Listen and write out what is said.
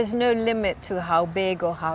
yang bisa membuat kita